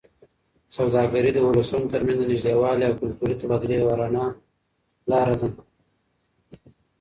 سوداګري د ولسونو ترمنځ د نږدېوالي او کلتوري تبادلې یوه رڼه لاره ده.